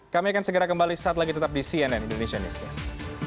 kami akan segera kembali saat lagi tetap di cnn indonesia newscast